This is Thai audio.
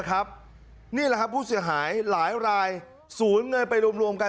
นี่แหละครับผู้เสียหายหลายรายสูญเงินไปรวมกัน